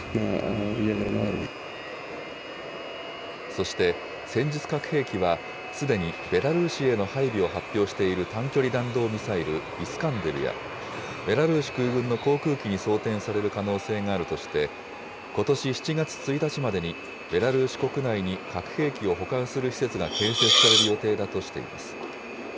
そして、戦術核兵器は、すでにベラルーシへの配備を発表している短距離弾道ミサイル、イスカンデルや、ベラルーシ空軍の航空機に装填される可能性があるとして、ことし７月１日までに、ベラルーシ国内に核兵器を保管する施設が建設される予定だとしています。